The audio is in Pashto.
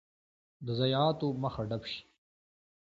د ضایعاتو مخه ډب شي.